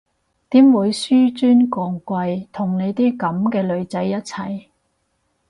點會紓尊降貴同你啲噉嘅女仔一齊？